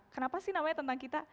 kenapa sih namanya tentang kita